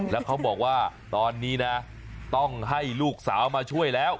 แล้วเขาบอกว่าตอนนี้นะต้องให้ลูกสาวมาช่วยแล้ว